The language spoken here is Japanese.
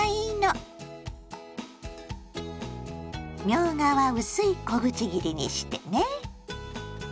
みょうがは薄い小口切りにしてね。